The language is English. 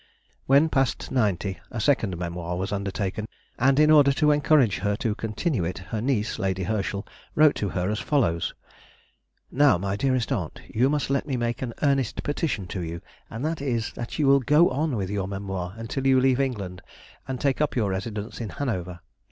WHEN past ninety a second memoir was undertaken, and in order to encourage her to continue it her niece, Lady Herschel, wrote to her as follows:—.... "Now, my dearest aunt, you must let me make an earnest petition to you, and that is, that you will go on with your memoir until you leave England and take up your residence in Hanover.